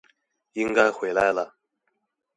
應該回來了